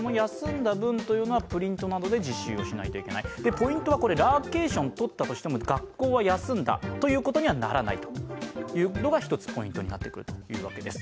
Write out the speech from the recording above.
ポイントはラーケーションを取ったとしても学校を休んだことにはならないのが一つポイントになってきます。